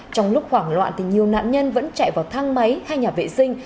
trong lúc hoảng loạn thì nhiều nạn nhân vẫn chạy vào thang máy hay nhà vệ sinh